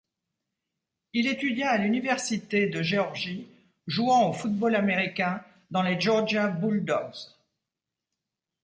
Il étudia à l'Université de Géorgie, jouant au football américain dans les Georgia Bulldogs.